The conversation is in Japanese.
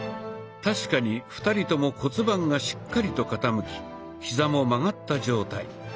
確かに２人とも骨盤がしっかりと傾きヒザも曲がった状態。